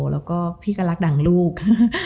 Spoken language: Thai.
แล้วก็พี่ก็รักดังลูก